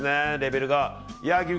レベルが。